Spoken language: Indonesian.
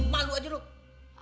malu aja ruh